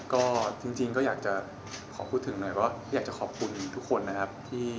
ก็จริงก็อยากจะขอพูดถึงหน่อยก็อยากจะขอบคุณทุกคนนะครับ